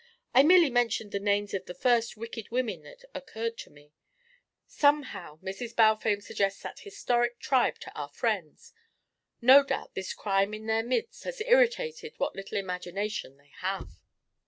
I merely mentioned the names of the first wicked women that occurred to me. Somehow Mrs. Balfame suggests that historic tribe to our friends. No doubt this crime in their midst has irritated what little imagination they have."